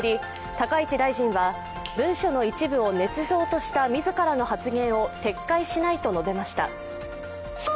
高市大臣は文書の一部をねつ造とした自らの発言を撤回しないと述べました。